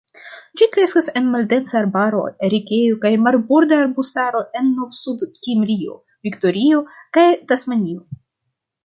Ĝi kreskas en maldensa arbaro, erikejo kaj marborda arbustaro en Novsudkimrio, Viktorio, kaj Tasmanio.